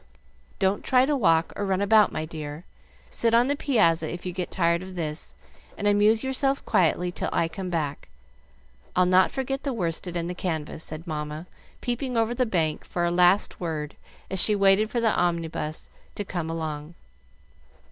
"Don't try to walk or run about, my dear. Sit on the piazza if you get tired of this, and amuse yourself quietly till I come back. I'll not forget the worsted and the canvas," said Mamma, peeping over the bank for a last word as she waited for the omnibus to come along.